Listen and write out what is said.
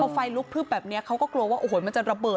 พอไฟลุกพลึบแบบนี้เขาก็กลัวว่าโอ้โหมันจะระเบิด